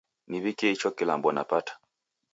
Niw'ikie icho kilambo napata.